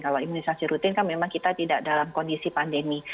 kalau imunisasi rutin kan memang kita tidak dalam kondisi pandemi